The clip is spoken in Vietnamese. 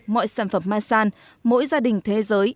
mọi sản phẩm masan mỗi gia đình thế giới